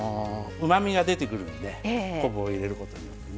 うまみが出てくるので昆布を入れるときに。